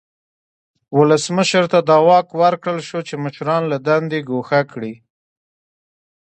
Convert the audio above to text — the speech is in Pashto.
ولسمشر ته دا واک ورکړل شو چې مشران له دندې ګوښه کړي.